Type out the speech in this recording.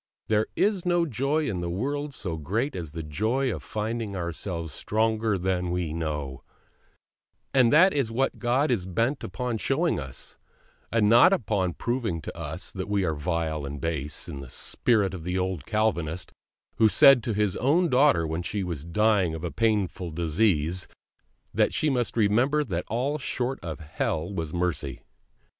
There is no joy in the world so great as the joy of finding ourselves stronger than we know; and that is what God is bent upon showing us, and not upon proving to us that we are vile and base, in the spirit of the old Calvinist who said to his own daughter when she was dying of a painful disease, that she must remember that all short of Hell was mercy.